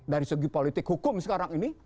dari segi politik hukum sekarang ini